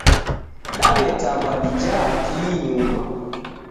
Dawetambwa dijaa kii nyuma